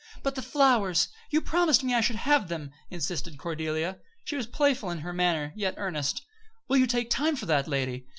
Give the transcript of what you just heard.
"But the flowers! You promised me I should have them," insisted Cordelia. She was playful in her manner, yet earnest. "Will you take time for that, lady?